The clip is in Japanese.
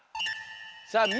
さあみ